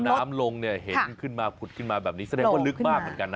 น้ำลงเนี่ยเห็นขึ้นมาผุดขึ้นมาแบบนี้แสดงว่าลึกมากเหมือนกันนะ